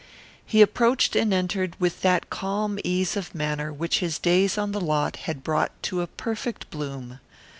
He approached and entered with that calm ease of manner which his days on the lot had brought to a perfect bloom.